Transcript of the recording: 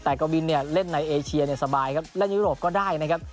แต่กวินเนี่ยเล่นในเอเชียเนี่ยสบายครับเล่นยุโรปก็ได้นะครับ